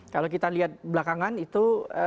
kalau kita lihat belakangan itu